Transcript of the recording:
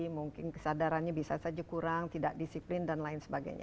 mungkin kesadarannya bisa saja kurang tidak disiplin dan lain sebagainya